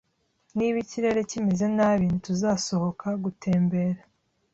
Niba ikirere kimeze nabi, ntituzasohoka gutembera.